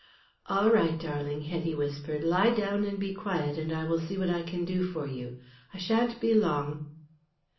"All right, darling," Hetty whispered. "Lie down and be quiet, and I will see what I can do for you. I shan't be long."